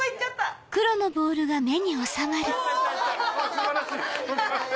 素晴らしい！